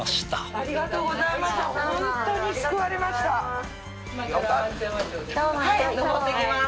ありがとうございます。